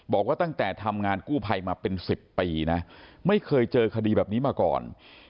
บอกว่าตั้งแต่ทำงานกู้ภัยมาเป็น๑๐ปีนะไม่เคยเจอคดีแบบนี้มาก่อน